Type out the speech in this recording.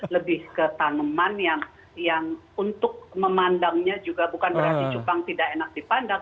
lebih ke tanaman yang untuk memandangnya juga bukan berarti cupang tidak enak dipandang